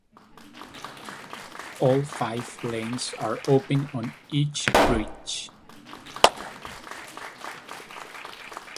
All five lanes are open on each bridge.